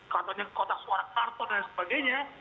katanya kotak suara kartu dan sebagainya